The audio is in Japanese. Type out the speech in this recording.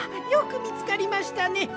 よくみつかりましたね。